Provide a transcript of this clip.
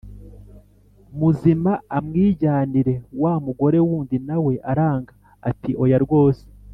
muzima amwijyanire Wa mugore wundi na we aranga ati Oya rwose